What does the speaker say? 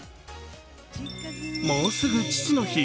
もうすぐ父の日。